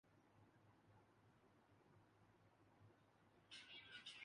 اخبار رپورٹ کا آغاز اس طرح کر ہے